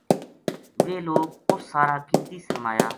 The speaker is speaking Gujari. ویہ لوک اُس سارا قیمتی سرمایا